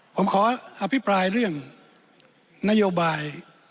ผมขออภิปรายเรื่องนโยบาย